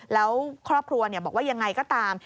แล้วครอบครัวบอกว่ายังไงก็ตาม